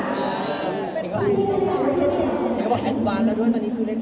เพราะว่าเขายิ่งเป็นออกมาของหลายคน